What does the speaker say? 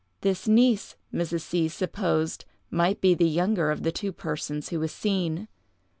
This niece Mrs. C—— supposed might be the younger of the two persons who was seen.